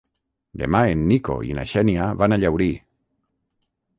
Demà en Nico i na Xènia van a Llaurí.